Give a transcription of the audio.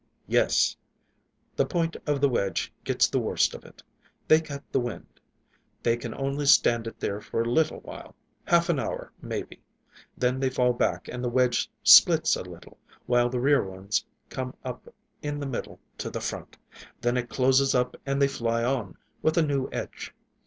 "Yes. The point of the wedge gets the worst of it; they cut the wind. They can only stand it there a little while—half an hour, maybe. Then they fall back and the wedge splits a little, while the rear ones come up the middle to the front. Then it closes up and they fly on, with a new edge.